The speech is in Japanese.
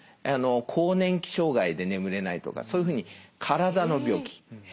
更年期障害で眠れないとかそういうふうに体の病気